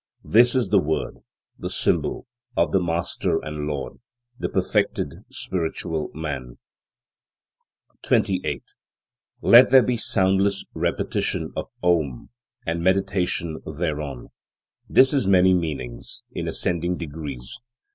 This is the Word, the Symbol, of the Master and Lord, the perfected Spiritual Man. 28. Let there be soundless repetition of OM and meditation thereon. This has many meanings, in ascending degrees.